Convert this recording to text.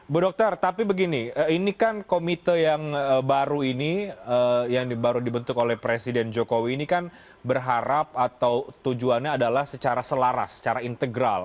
bu dokter tapi begini ini kan komite yang baru ini yang baru dibentuk oleh presiden jokowi ini kan berharap atau tujuannya adalah secara selaras secara integral